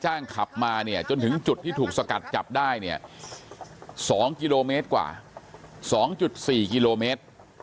ขับมาเนี่ยจนถึงจุดที่ถูกสกัดจับได้เนี่ย๒กิโลเมตรกว่า๒๔กิโลเมตร